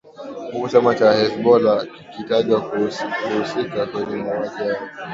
huku chama cha hezbollah kikitajwa kuhusika kwenye mauaji hayo